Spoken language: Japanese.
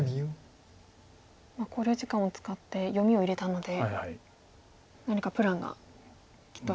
考慮時間を使って読みを入れたので何かプランがきっとあるということですか。